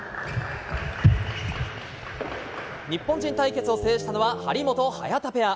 日本人対決を制したのは張本・早田ペア。